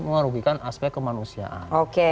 menghargikan aspek kemanusiaan oke